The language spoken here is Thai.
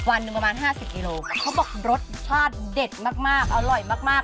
วันหนึ่งประมาณ๕๐กิโลเขาบอกรสชาติเด็ดมากอร่อยมากมาก